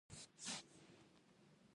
غږ د فشار امواج دي.